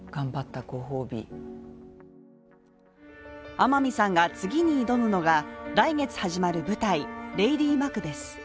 天海さんが次に挑むのが来月始まる舞台「レディマクベス」。